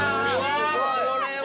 すごい！